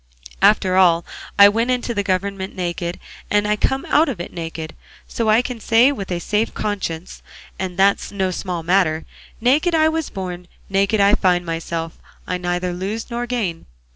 After all I went into the government naked, and I come out of it naked; so I can say with a safe conscience and that's no small matter 'naked I was born, naked I find myself, I neither lose nor gain.